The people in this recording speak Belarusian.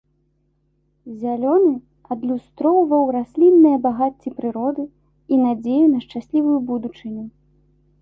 Зялёны адлюстроўваў раслінныя багацці прыроды і надзею на шчаслівую будучыню.